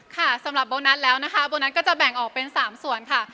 สำหรับโบนัสแล้วนะคะโบนัสก็จะแบ่งออกเป็น๓ส่วนค่ะ